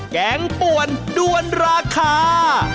แกงป่วนด้วนราคา